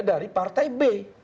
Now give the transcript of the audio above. dari partai b